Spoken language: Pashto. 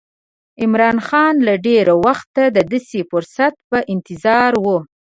عمرا خان له ډېره وخته د داسې فرصت په انتظار و.